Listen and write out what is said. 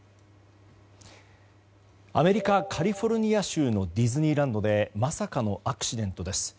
アメリカカリフォルニア州のディズニーランドでまさかのアクシデントです。